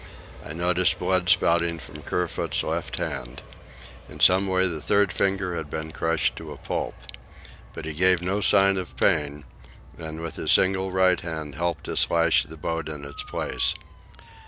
I noticed blood spouting from Kerfoot's left hand. In some way the third finger had been crushed to a pulp. But he gave no sign of pain, and with his single right hand helped us lash the boat in its place.